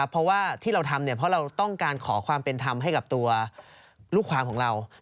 เพราะว่าที่เราทำเพราะเราต้องการขอความเป็นธรรมให้กับตัวลูกความของเรา